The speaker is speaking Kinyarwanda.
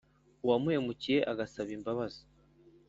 uwamuhemukiye agasaba imbabazi